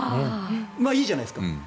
いいじゃないですか。